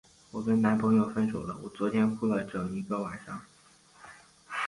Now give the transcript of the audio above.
我跟男朋友分手了，我昨天哭了整个晚上。